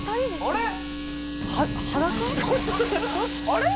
あれ？